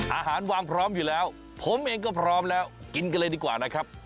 อาหารวางพร้อมอยู่แล้วผมเองก็พร้อมแล้วกินกันเลยดีกว่านะครับ